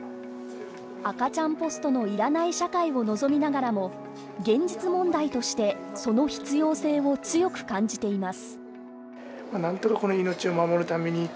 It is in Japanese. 赤ちゃんポストの要らない社会を望みながらも現実問題として、その必要性を強く感じています。